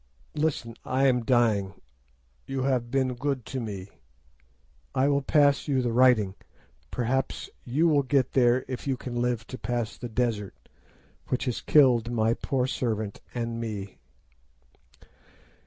Listen, I am dying! You have been good to me. I will give you the writing. Perhaps you will get there if you can live to pass the desert, which has killed my poor servant and me.